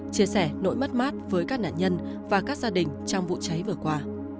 chia sẻ nỗi mất mát với các nạn nhân và các gia đình trong vụ cháy vừa qua